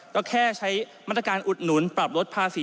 ก็แค่ใช้มาตรการอุดหนุนปรับลดภาษี